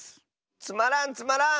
つまらんつまらん！